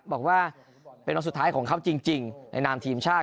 บอกว่าเป็นวันสุดท้ายของเขาจริงในนามทีมชาติ